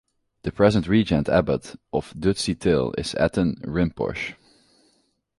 The present regent abbot of Dutsi-til is Aten Rinpoche.